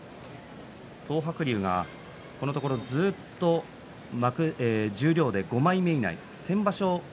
東白龍が、このところ十両で５枚目以内先場所